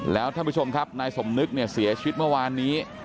แล้วท่านผู้ชมครับนายสมนึกเนี่ยเสียชีวิตเมื่อวานนี้